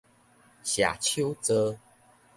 射手座